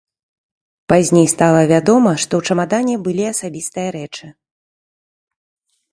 Пазней стала вядома, што ў чамадане былі асабістыя рэчы.